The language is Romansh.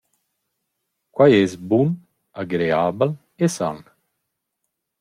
Quai es bun, agreabel e san.